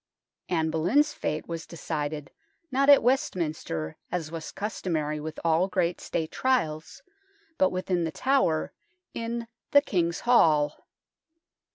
Anne Boleyn's fate was decided, not at Westminster, as was customary with all great State trials, but within The Tower, in " the King's Hall."